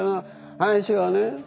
林はね